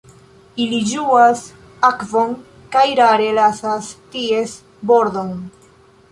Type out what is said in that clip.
Ili ĝuas akvon kaj rare lasas ties bordon.